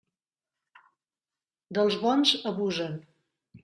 Dels bons abusen.